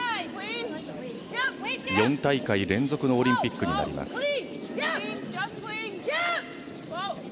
４大会連続のオリンピックになります。